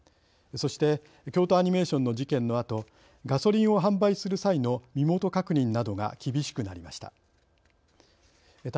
そして京都アニメーションの事件のあとガソリンを販売する際の身元確認などが厳しくなりました。